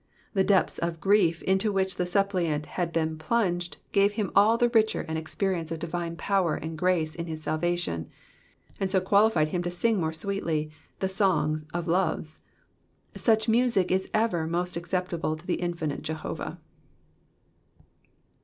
The depths of grief into which the suppliant had been plunged gave him all the richer an experience of divine power and grace in his salvation, and so qualified him to sing more sweetly '*the song of loves." Buch music is ever most acceptable to the infinite Jehovah.